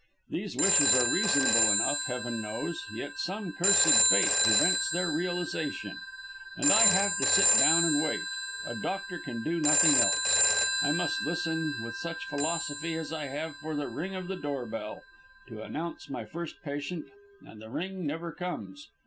These wishes are reasonable enough, Heaven knows, yet some cursed Fate prevents their realisation. And I have to sit down and wait; a doctor can do nothing else. I must listen with such philosophy as I have for the ring of the door bell to announce my first patient, and the ring never comes.